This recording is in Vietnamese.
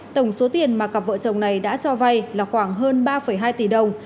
tổng số tiền mà cặp vợ chồng này đã cho vay là khoảng hơn ba hai tỷ đồng